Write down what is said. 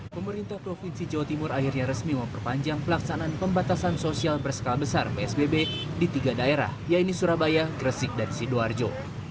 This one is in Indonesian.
pemerintah provinsi jawa timur akhirnya resmi memperpanjang pelaksanaan pembatasan sosial berskala besar psbb di tiga daerah yaitu surabaya gresik dan sidoarjo